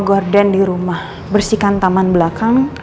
gordon di rumah bersihkan taman belakang